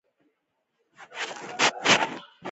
رودزیا اوسنۍ زیمبیا او زیمبابوې په ځان کې رانغاړي.